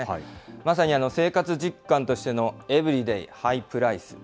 まさに生活実感としてのエブリデイハイプライス。